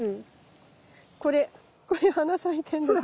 これこれ花咲いてんだけど。